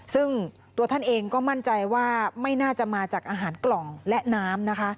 ซึ่งตัวท่านเองก็มั่นใจว่าไม่น่าจะมาจากอาหารกล่องและน้ำนะคะ